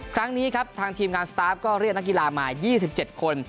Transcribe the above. ครั้งนี้ครับทางทีมงานสตาร์ฟก็เรียกนักกีฬามา๒๗คน